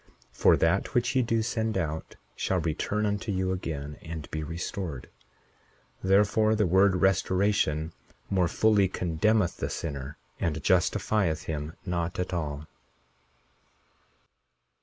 41:15 For that which ye do send out shall return unto you again, and be restored; therefore, the word restoration more fully condemneth the sinner, and justifieth him not at all.